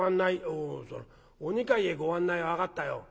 「おその『お二階へご案内』は分かったよ。